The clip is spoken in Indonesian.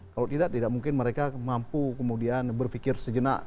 kalau tidak tidak mungkin mereka mampu kemudian berpikir sejenak